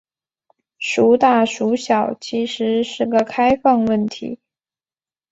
孰大孰小其实是个开放问题。